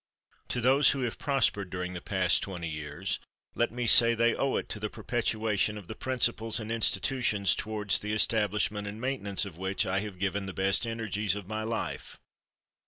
To those who have prospered during the past twenty years let me say they owe it to the perpetuation of the principles and institutions towards the establishment and maintenance of which I have given the best energies of my life.